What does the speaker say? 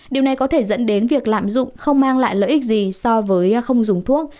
điều này có thể dẫn đến việc lạm dụng không mang lại lợi ích gì so với không dùng thuốc